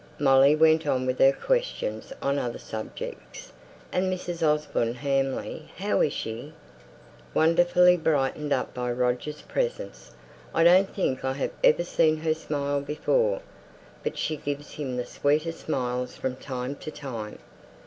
Molly went on with her questions on other subjects. "And Mrs. Osborne Hamley? How is she?" "Wonderfully brightened up by Roger's presence. I don't think I've ever seen her smile before; but she gives him the sweetest smiles from time to time.